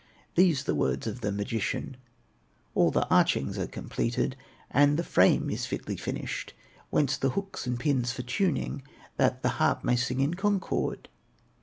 These the words of the magician: "All the archings are completed, And the frame is fitly finished; Whence the hooks and pins for tuning, That the harp may sing in concord?"